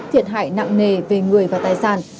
thiệt hại nặng nề về người và tài sản